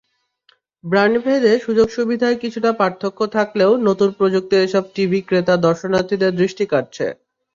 ব্র্যান্ডভেদে সুযোগ-সুবিধায় কিছুটা পার্থক্য থাকলেও নতুন প্রযুক্তির এসব টিভি ক্রেতা-দর্শনার্থীদের দৃষ্টি কাড়ছে।